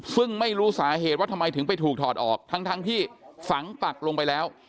ซึ่งไม่รู้สาเหตุว่าทำไมถึงไปถูกถอดออกทั้งที่ฝังปักลงไปแล้ว